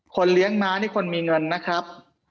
เลี้ยงม้านี่คนมีเงินนะครับ